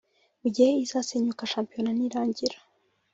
Mu gihe izasenyuka shampiyona nirangira